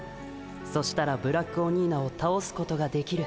そしたらブラックオニーナをたおすことができる。